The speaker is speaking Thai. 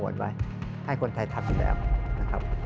ใครทักกันแบบนะครับ